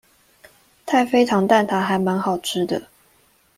太妃糖蛋塔還滿好吃的